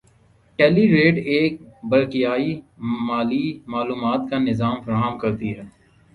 ٹیلیریٹ ایک برقیائی مالی معلومات کا نظام فراہم کرتی ہے